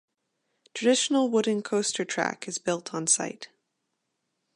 Traditional wooden coaster track is built on site.